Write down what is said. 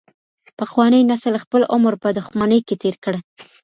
پخواني نسل خپل عمر په دښمنۍ کې تیر کړ.